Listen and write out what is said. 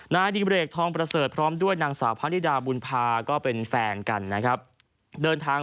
นายดิเบรกทองประเสริฐพร้อมด้วยนางสาวพระนิดา